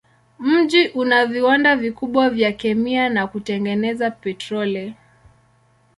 Mji una viwanda vikubwa vya kemia na kutengeneza petroli.